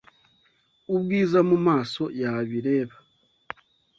Ubwiza mumaso yabireba.